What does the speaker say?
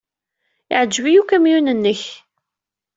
Yeɛjeb-iyi ukamyun-nnek.